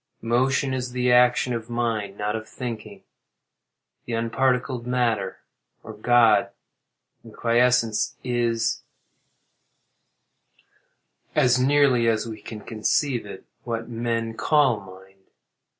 Motion is the action of mind, not of thinking. The unparticled matter, or God, in quiescence, is (as nearly as we can conceive it) what men call mind.